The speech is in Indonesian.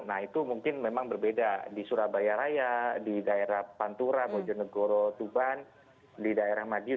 nah itu mungkin memang berbeda di surabaya raya di daerah pantura bojonegoro tuban di daerah madiun